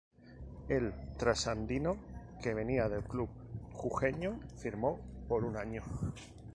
El trasandino, que venía del club jujeño, firmó por un año.